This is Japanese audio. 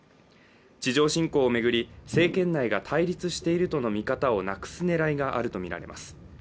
地上侵攻を巡り政権内が対立しているとの見方をなくす狙いがあるとみられます。